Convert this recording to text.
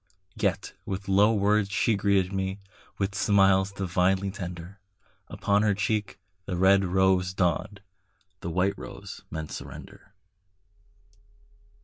Yet with low words she greeted me, With smiles divinely tender; Upon her cheek the red rose dawned, The white rose meant surrender.